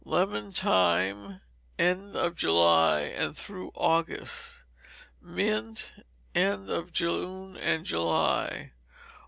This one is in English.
Lemon Thyme end of July and through August. Mint, end of June and July.